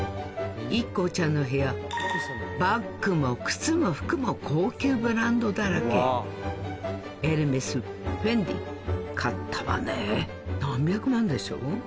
ＩＫＫＯちゃんの部屋バッグも靴も服も高級ブランドだらけエルメスフェンディ買ったわねぇ何百万でしょ？